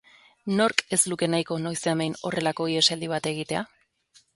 Nork ez luke nahiko noizean behin horrelako ihesaldi bat egitea?